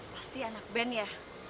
pasti anak band ya